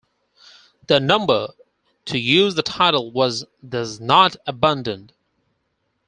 The number to use the title was thus not abundant.